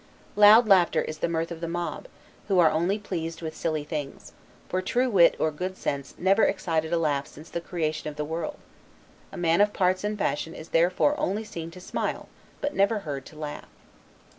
Loud laughter is the mirth of the mob, who are only pleased with silly things; for true wit or good sense never excited a laugh since the creation of the world. A man of parts and fashion is therefore only seen to smile; but never heard to laugh.